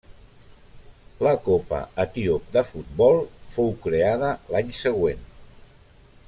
La Copa etíop de futbol fou creada l'any següent.